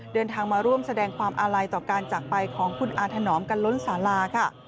เดินทางมาร่วมแสดงความอาลัยต่อการจากไปของคุณอาถนอมกันล้นสาราค่ะ